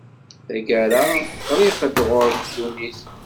"Taggara qriq-d ɣur-k ddunnit».